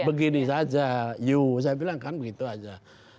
begini saja yuk saya bilang kan begitu saja